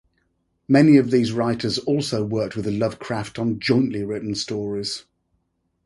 Many of these writers also worked with Lovecraft on jointly-written stories.